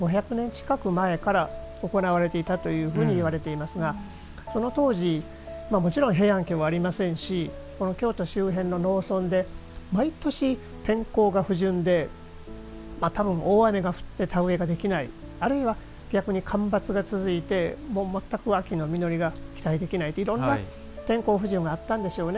近く前から行われていたというふうに言われていますがその当時もちろん平安京もありませんしこの京都周辺の農村は毎年、天候が不順で多分、大雨が降って田植えができないあるいは、逆に干ばつが続いて全く秋の実りが期待できないいろんな天候不順があったんでしょうね。